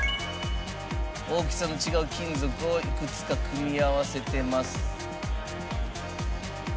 大きさの違う金属をいくつか組み合わせてます。